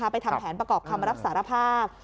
ไปทำแผนประกอบคำรับสารภาพ